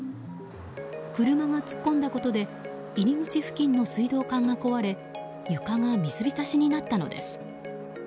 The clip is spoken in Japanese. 車が突っ込んだことで入り口付近の水道管が壊れ床が水浸しになったのです。